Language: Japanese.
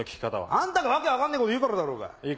あんたが訳分かんねえこと言うからだろうが。